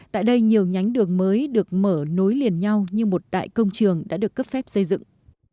tại đây nhiều nhánh đường mới được mở nối liền nhau như một đại công trường đã được cấp phép xây dựng